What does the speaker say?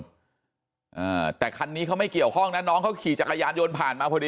อ่าแต่คันนี้เขาไม่เกี่ยวข้องนะน้องเขาขี่จักรยานยนต์ผ่านมาพอดี